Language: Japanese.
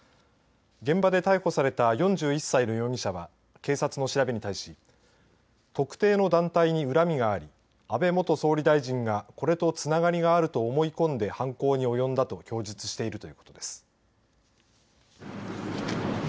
現場で逮捕された４１歳の容疑者は警察の調べに対し特定の団体に恨みがあり安倍元総理大臣がこれと、つながりがあると思い込んで犯行に及んだと供述しているということです。